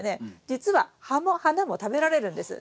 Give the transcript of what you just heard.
実は葉も花も食べられるんです。